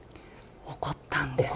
怒ったんですね。